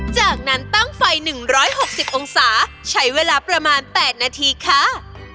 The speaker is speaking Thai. จากนั้นตั้งไฟ๑๖๐องศาใช้เวลาประมาณ๘นาทีค่ะ